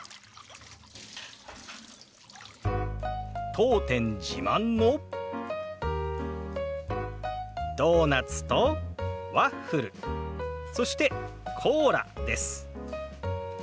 当店自慢のドーナツとワッフルそしてコーラです。